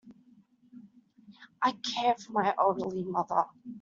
I care for my elderly mother.